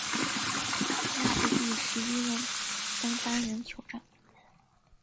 他是第十一任登丹人酋长。